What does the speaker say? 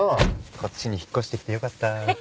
こっちに引っ越してきてよかった。